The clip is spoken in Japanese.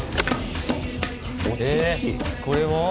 これは？